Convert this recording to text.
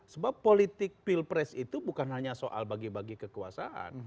sebab politik pilpres itu bukan hanya soal bagi bagi kekuasaan